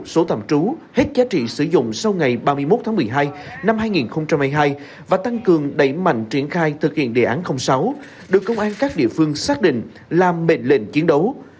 số tạm trú hết giá trị sử dụng sau ngày ba mươi một tháng một mươi hai năm hai nghìn hai mươi hai và tăng cường đẩy mạnh triển khai thực hiện đề án sáu được công an các địa phương xác định làm mệnh lệnh chiến đấu